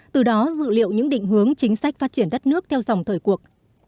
từ đó dự liệu những định hướng chính sách phát triển đất nước theo dòng thời cuộc